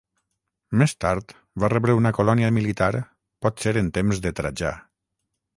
Més tard va rebre una colònia militar potser en temps de Trajà.